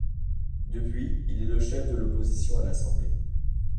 Depuis, il est le chef de l'opposition à l'Assemblée.